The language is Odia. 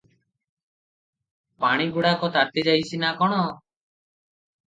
ପାଣିଗୁଡ଼ାକ ତାତିଯାଇଛି ନା କଣ?